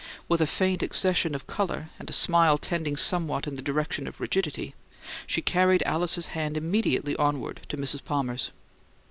With a faint accession of colour and a smile tending somewhat in the direction of rigidity, she carried Alice's hand immediately onward to Mrs. Palmer's.